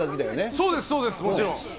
そうです、そうです、もちろん。